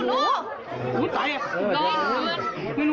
โอ้ยตายแล้วแม่เฮิญ